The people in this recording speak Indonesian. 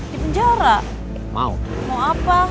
di penjara mau mau apa